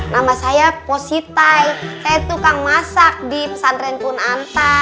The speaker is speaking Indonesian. nama saya positai saya tukang masak di pesantren punanta